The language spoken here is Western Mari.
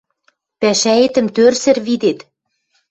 – Пӓшӓэтӹм тӧрсӹр видет!